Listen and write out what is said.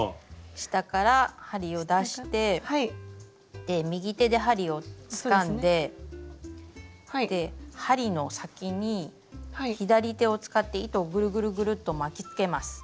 下から針を出して右手で針をつかんで針の先に左手を使って糸をぐるぐるぐると巻きつけます。